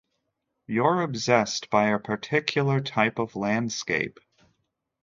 You're obsessed by a particular type of landscape.